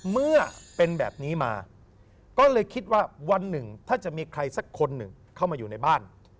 เมื่อเป็นแบบนี้มาก็เลยคิดว่าวันหนึ่งถ้าจะมีใครสักคนหนึ่งเข้ามาอยู่ในบ้าน